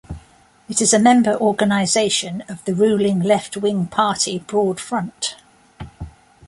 It is a member organisation of the ruling left-wing party Broad Front.